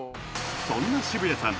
そんな渋谷さん